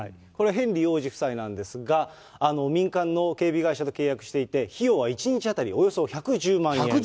これはヘンリー王子夫妻なんですが、民間の警備会社と契約していて、費用は１日当たりおよそ１１０万円。